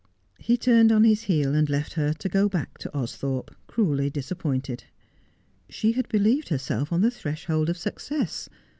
He turned on his heel and left her, to go back to Austhorpe, cruelly disappointed. She had believed herself on the threshold of success.